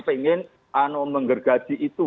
pengen menggergaji itu